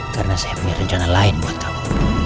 karena saya punya rencana lain buat kamu